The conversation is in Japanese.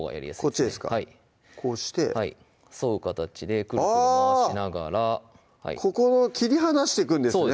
こっちですかこうして沿う形でくるくる回しながらここを切り離していくんですね